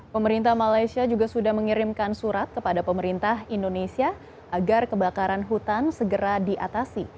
pemerintah malaysia juga sudah mengirimkan surat kepada pemerintah indonesia agar kebakaran hutan segera diatasi